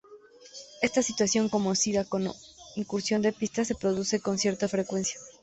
Esta situación, conocida como "incursión de pista" se produce con cierta frecuencia.